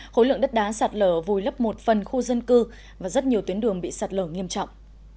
khối lượng đất đá sạt lở vùi lấp một phần khu dân cư và rất nhiều tuyến đường bị sạt lở nghiêm trọng